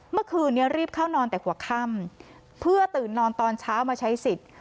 เมื่อคืนนี้รีบเข้านอนแต่หัวค่ำเพื่อตื่นนอนตอนเช้ามาใช้สิทธิ์